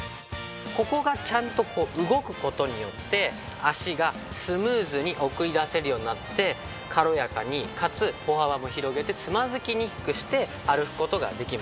ここがちゃんとこう動く事によって脚がスムーズに送り出せるようになって軽やかにかつ歩幅も広げてつまずきにくくして歩く事ができる。